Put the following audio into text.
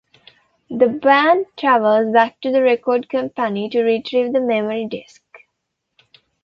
The band travels back to the record company to retrieve the memory disks.